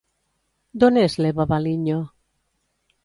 D'on és l'Eva Valiño?